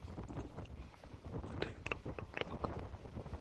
بیدے لٹّءُ لگتّ